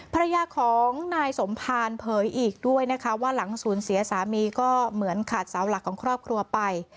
ภรรยาของนายสมภารเผยอีกด้วยนะคะว่าหลังสูญเสียสามีก็เหมือนขาดเสาหลักของครอบครัวไป